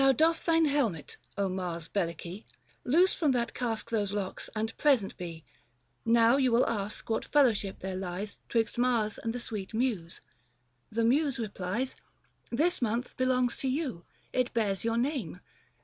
Now doff thine helmet, O Mars Bellice ! Loose from that casque those locks, and present be. Now you will ask what fellowship there lies Twixt Mars and the sweet Muse ? The Muse replies This month belongs to you ; it bears your name.